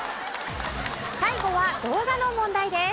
最後は動画の問題です。